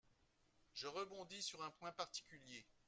Je rebondis sur un point particulier.